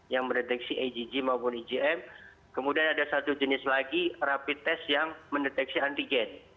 yang mendeteksi agg maupun igm kemudian ada satu jenis lagi rapid test yang mendeteksi antigen